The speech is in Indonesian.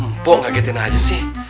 empok ngagetin aja sih